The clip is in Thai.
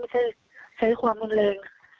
ขับรถต้องคุยกันดีเนาะไม่ใช่ใช้ความมั่นเร็ง